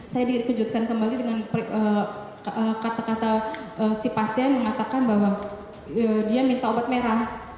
saya dikejutkan kembali dengan kata kata si pasien mengatakan bahwa dia minta obat merah